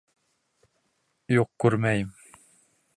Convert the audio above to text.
Юҡ, күрмәйем!..